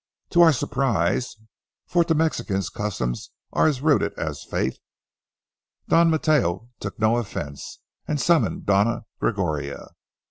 To our surprise,—for to Mexicans customs are as rooted as Faith,—Don Mateo took no offense and summoned Doña Gregoria.